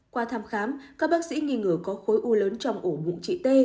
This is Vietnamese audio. qua thăm khám các bác sĩ nghi ngờ có khối u lớn trong ổ bụng chị t